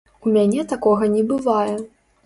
У мяне такога не бывае.